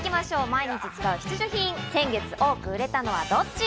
毎日使う必需品、先月多く売れたのはどっち？